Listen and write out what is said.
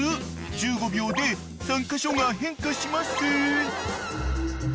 １５秒で３カ所が変化しまっせ］